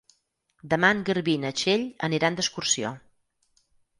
Demà en Garbí i na Txell aniran d'excursió.